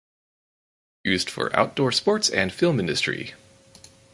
Used for outdoor sports and film industry.